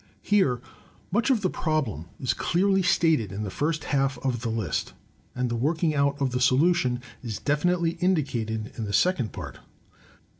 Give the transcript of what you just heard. Here much of the problem is dearly stated in the first half of the list, and the working out of the solution is definitely indicated in the second part.